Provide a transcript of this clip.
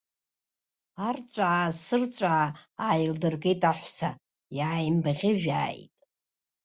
Арҵәаа-сырҵәаа ааилдыргеит аҳәса, иааимбӷьыжәааит.